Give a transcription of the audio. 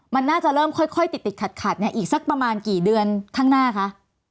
มันน่าจะเริ่มค่อยติดติดขัดอีกสักประมาณกี่เดือนข้างหน้าคะ